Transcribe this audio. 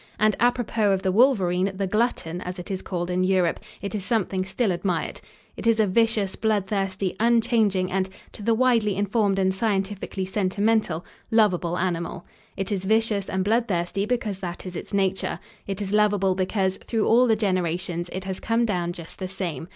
And, apropos of the wolverine, the glutton, as it is called in Europe, it is something still admired. It is a vicious, bloodthirsty, unchanging and, to the widely informed and scientifically sentimental, lovable animal. It is vicious and bloodthirsty because that is its nature. It is lovable because, through all the generations, it has come down just the same.